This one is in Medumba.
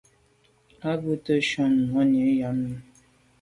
A bumte boa shunshun sènni yàme.